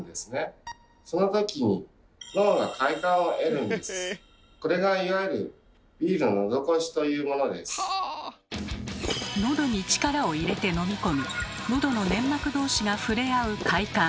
その時にこれがいわゆるのどに力を入れて飲み込みのどの粘膜同士が触れ合う快感。